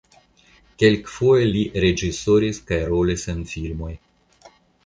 Kelkfoje li reĝisoris kaj rolis en filmoj.